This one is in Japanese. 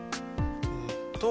えっと